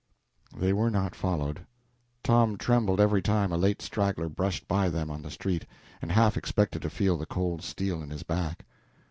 They were not followed. Tom trembled every time a late straggler brushed by them on the street, and half expected to feel the cold steel in his back.